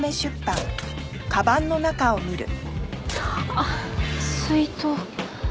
あっ水筒。